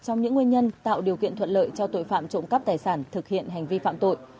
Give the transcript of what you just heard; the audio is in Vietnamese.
trong những nguyên nhân tạo điều kiện thuận lợi cho tội phạm trộm cắp tài sản thực hiện hành vi phạm tội